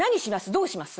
どうします？